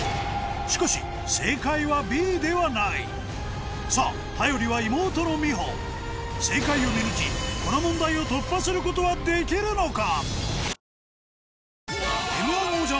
しかしさぁ頼りは妹の美穂正解を見抜きこの問題を突破することはできるのか？